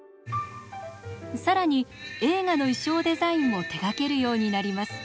更に映画の衣装デザインも手がけるようになります。